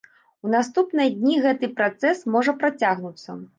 У наступныя дні гэты працэс можа працягнуцца.